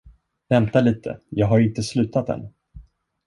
Vänta lite jag har inte slutat än!